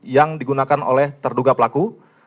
yang digunakan oleh terduga pelaku